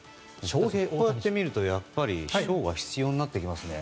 こうやってみるとやっぱり賞が必要になってきますね。